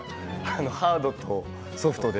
ハードとソフトで。